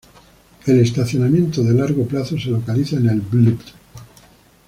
El estacionamiento de largo plazo se localiza en el Blvd.